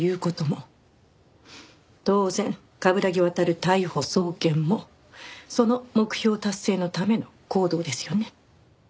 当然冠城亘逮捕送検もその目標達成のための行動ですよね？